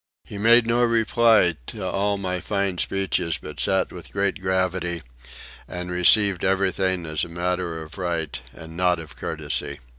He made no reply to all my fine speeches but sat with great gravity and received everything as a matter of right and not of courtesy.